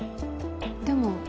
でも。